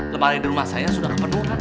lemari di rumah saya sudah kepenuhan soalnya